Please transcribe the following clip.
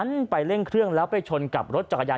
จังหวะเดี๋ยวจะให้ดูนะ